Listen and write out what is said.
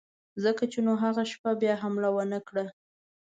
ځکه یې نو هغه شپه بیا حمله ونه کړه.